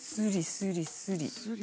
スリスリ？